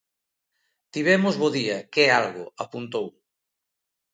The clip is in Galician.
"Tivemos bo día, que é algo", apuntou.